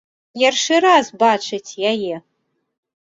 Першы раз бачыць яе!